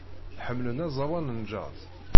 Ḥemmleɣ aẓawan n jazz.